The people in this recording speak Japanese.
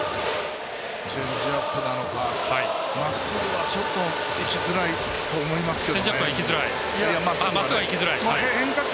チェンジアップなのかまっすぐはいきづらいと思いますけど。